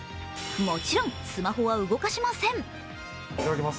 もちろんスマホは動かしません。